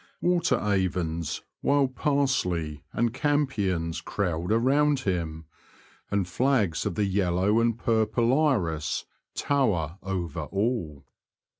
Water avens, wild parsley, and campions crowd around him, and flags of the yellow and purple iris tower over all.